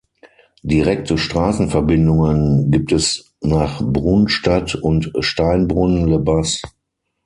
Direkte Straßenverbindungen gibt es nach Brunstatt und Steinbrunn-le-Bas.